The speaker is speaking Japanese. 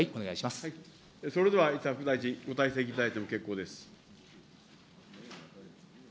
それでは伊佐副大臣、ご退席いただいても結構です。